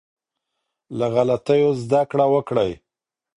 له غلطيو زده کړه وکړئ.